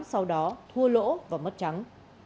sau đó thua lỗ và mất trắng